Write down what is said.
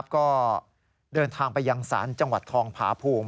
ก็เดินทางไปยังศาลจังหวัดทองผาภูมิ